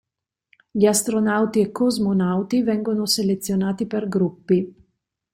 Gli astronauti e cosmonauti vengono selezionati per gruppi.